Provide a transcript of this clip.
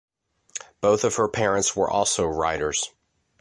Both of her parents were also writers.